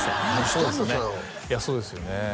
それそうですよね